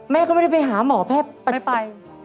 แม่ก็ไม่ได้ไปหาหมอแพทย์ประทไม่ไป